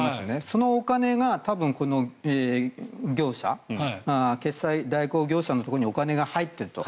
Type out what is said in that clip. そのお金が決済代行業者のところにお金が入っていると。